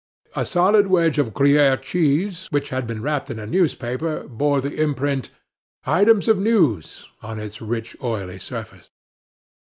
A solid wedge of Gruyere cheese, which had been wrapped in a newspaper, bore the imprint: "Items of News," on its rich, oily surface.